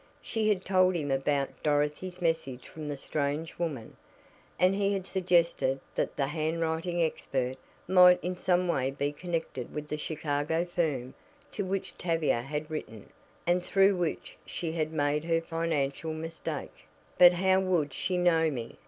She had told him about Dorothy's message from the strange woman, and he had suggested that the handwriting expert might in some way be connected with the Chicago firm to which Tavia had written, and through which she had made her financial mistake. "But how would she know me?"